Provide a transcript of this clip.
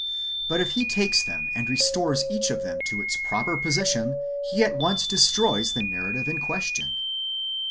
But if he takes them and restores each of them to its proper position, he at once destroys the narrative in question.